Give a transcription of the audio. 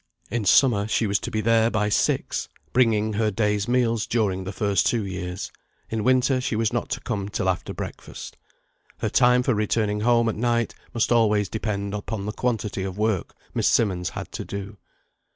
In summer she was to be there by six, bringing her day's meals during the first two years; in winter she was not to come till after breakfast. Her time for returning home at night must always depend upon the quantity of work Miss Simmonds had to do.